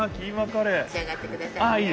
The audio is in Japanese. めしあがってくださいね。